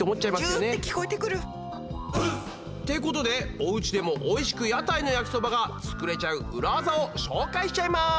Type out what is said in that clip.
ジューって聞こえてくる！ってことでおうちでもおいしく屋台の焼きそばがつくれちゃうウラ技を紹介しちゃいます！